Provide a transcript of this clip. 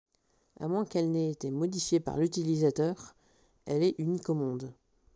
À moins qu'elle n'ait été modifiée par l'utilisateur, elle est unique au monde.